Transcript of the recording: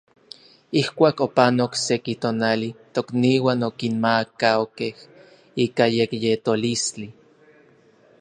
Ijkuak opanok seki tonali, tokniuan okinmaakaukej ika yekyetolistli.